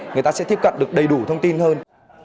người ta sẽ tiếp cận được đầy đủ thông tin hơn